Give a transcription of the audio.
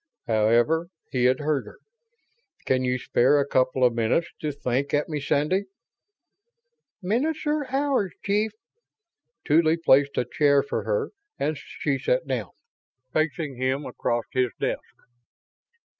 However, he had heard her. "Can you spare a couple of minutes to think at me, Sandy?" "Minutes or hours, chief." Tuly placed a chair for her and she sat down, facing him across his desk.